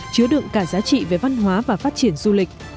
chứa đựng cả giá trị về văn hóa và phát triển du lịch